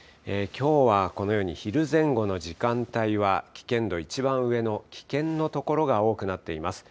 きょうはこのように昼前後の時間帯は、危険度一番上の危険の所が多くなっています。